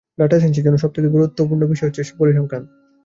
Data সাইন্সের জন্য সবথেকে গুরুত্বপূর্ণ বিষয় হচ্ছে পরিসংখ্যান।